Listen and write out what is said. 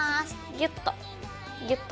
ぎゅっとぎゅっと。